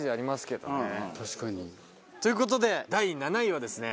確かに。という事で第７位はですね